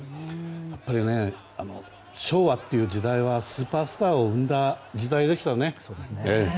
やっぱり昭和という時代はスーパースターを生んだ時代でしたよね。